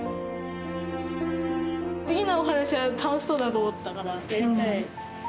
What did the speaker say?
次のお話は楽しそうだと思ったからやりたい。